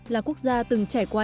là quốc gia từng trải qua